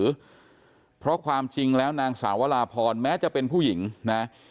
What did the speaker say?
แค่คนเดียวหรือเพราะความจริงแล้วนางสาวลาพรแม้จะเป็นผู้หญิงนะ